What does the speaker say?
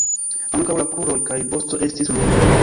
Ankaŭ la kruroj kaj vosto estis ruĝaj.